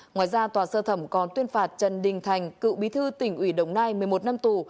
ngoài ra tòa sơ thẩm còn tuyên phạt trần đình thành cựu bí thư tỉnh ủy đồng nai một mươi một năm tù